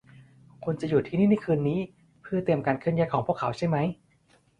คุณจะอยู่ที่นี่ในคืนนี้เพื่อเตรียมการเคลื่อนย้ายของพวกเขาใช่มั้ย